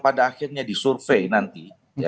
pada akhirnya disurvey nanti